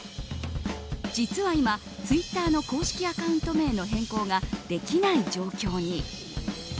実は今、ツイッターの公式アカウント名の変更ができない状況に。